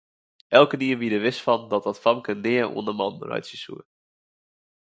Elkenien wie der wis fan dat dat famke nea oan 'e man reitsje soe.